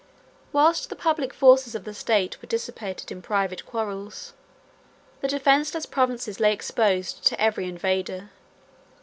167 Whilst the public forces of the state were dissipated in private quarrels, the defenceless provinces lay exposed to every invader.